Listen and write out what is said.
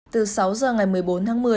từ sáu giờ ngày một mươi bốn tháng một mươi